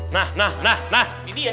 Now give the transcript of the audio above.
nah nah nah